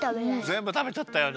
ぜんぶたべちゃったよね。